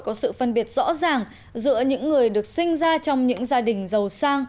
có sự phân biệt rõ ràng giữa những người được sinh ra trong những gia đình giàu sang